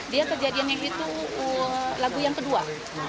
dia kejadiannya itu lagu yang kedua